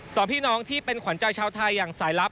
สองพี่น้องที่เป็นขวัญใจชาวไทยอย่างสายลับ